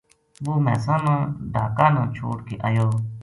وہ مھیساں نا ڈھاکا نا چھوڈ کے ایو